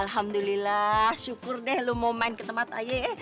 alhamdulillah syukur deh lo mau main ke tempat aja ya